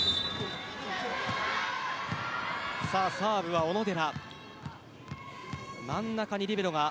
サーブは小野寺。